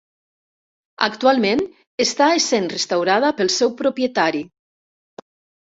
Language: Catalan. Actualment està essent restaurada pel seu propietari.